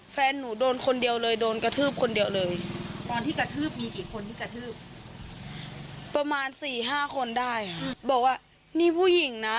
บอกว่านี่ผู้หญิงนะ